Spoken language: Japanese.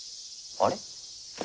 あれ！？